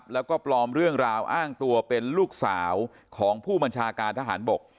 แล้วก็ปลอมเรื่องราวอ้างตัวเป็นลูกสาวของผู้บัญชาการทหารบก